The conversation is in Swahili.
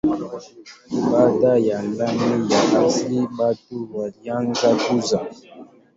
Baada ya dhambi ya asili watu walianza kuzaa.